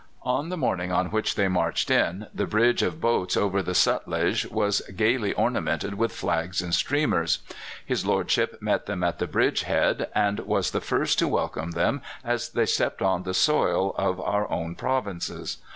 On the morning on which they marched in, the bridge of boats over the Sutlej was gaily ornamented with flags and streamers. His lordship met them at the bridge head, and was the first to welcome them as they stepped on the soil of our own provinces.